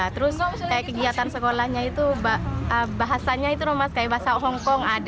terus kayak kegiatan sekolahnya itu bahasanya itu rumah kayak bahasa hongkong